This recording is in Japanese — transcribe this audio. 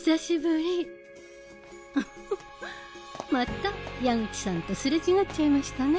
ふふっまた矢口さんとすれ違っちゃいましたね。